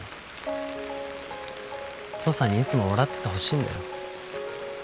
父さんにいつも笑っててほしいんだよ。